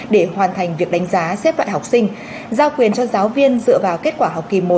để hoàn thành việc đánh giá xếp loại học sinh giao quyền cho giáo viên dựa vào kết quả học kỳ một